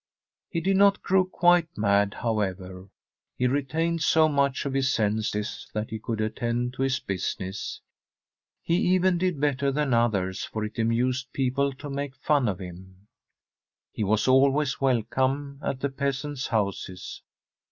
He did not grow quite mad, however ; he re tained so much of his senses that he could attend to his business. He even did better than others, for it amused people to make fun of him; he was always welcome at the peasants' houses.